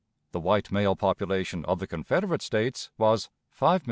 The white male population of the Confederate States was 5,449,463.